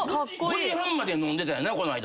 ５時半まで飲んでたやんなこの間。